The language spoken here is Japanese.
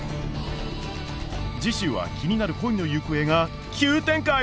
次週は気になる恋の行方が急展開！